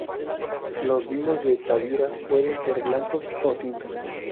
Los vinos de Tavira pueden ser blancos o tintos.